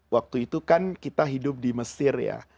waktu itu kan kita hidup di mesir ya